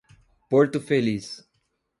Porto Feliz